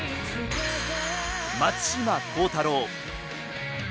松島幸太朗。